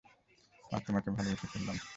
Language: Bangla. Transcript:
আর তোমাকে ভালোবেসে ফেললাম।